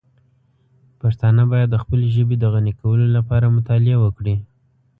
پښتانه باید د خپلې ژبې د غني کولو لپاره مطالعه وکړي.